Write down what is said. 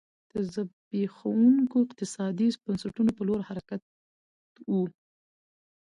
د زبېښونکو اقتصادي بنسټونو په لور حرکت و.